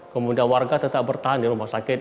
kemudian warga tetap bertahan di rumah sakit